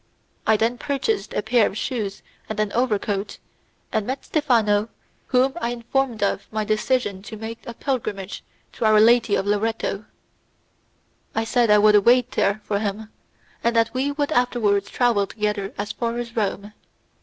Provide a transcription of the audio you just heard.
I then purchased a pair of shoes and an overcoat, and met Stephano, whom I informed of my decision to make a pilgrimage to Our Lady of Loretto. I said I would await there for him, and that we would afterwards travel together as far as Rome.